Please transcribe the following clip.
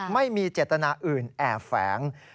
ไม่มีเจตนาอื่นแอบแฝง